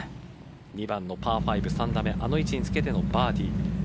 ２番のパー５、３打目あの位置につけてのバーディー。